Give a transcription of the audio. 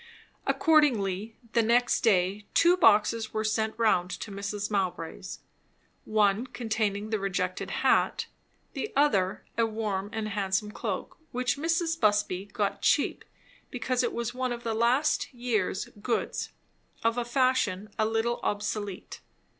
Accordingly, the next day two boxes were sent round to Mrs. Mowbray's; one containing the rejected hat, the other a warm and handsome cloak, which Mrs. Busby got cheap because it was one of the last year's goods, of a fashion a little obsolete.